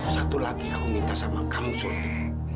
satu lagi aku minta sama kamu suntik